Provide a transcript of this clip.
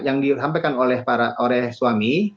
yang disampaikan oleh suami